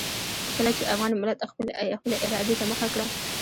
کله چې افغان ملت خپلې ارادې ته مخه کړه.